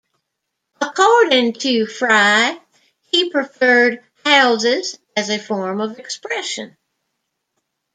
According to Frey, he preferred houses as a form of expression.